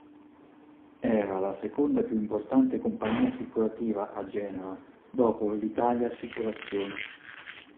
Era la seconda più importante compagnia assicurativa a Genova, dopo l'Italia Assicurazioni.